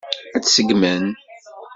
Ad t-seggmen?